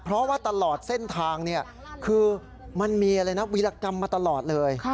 เพราะว่าตลอดเส้นทางคือมันมีอะไรนะวิรากรรมมาตลอดเลย